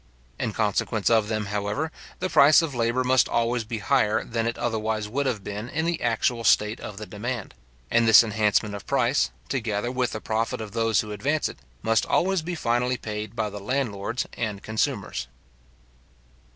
In consequence of them, however, the price of labour must always be higher than it otherwise would have been in the actual state of the demand; and this enhancement of price, together with the profit of those who advance it, must always be finally paid by the landlords and consumers.